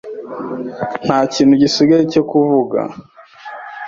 Nta kintu gisigaye cyo kuvuga.